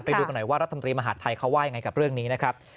ไปดูกันหน่อยว่ารัฐมนตรีมหาดไทยเขาว่ายังไงกับเรื่องนี้นะครับ